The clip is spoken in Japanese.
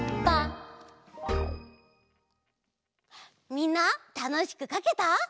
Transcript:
みんなたのしくかけた？